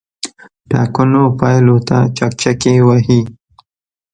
ټاکنو پایلو ته چکچکې وهي.